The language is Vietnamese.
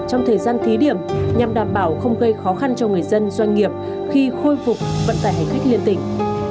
trong thời gian thí điểm nhằm đảm bảo không gây khó khăn cho người dân doanh nghiệp khi khôi phục vận tài hành khách liên tỉnh